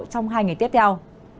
trong hai ngày tiếp theo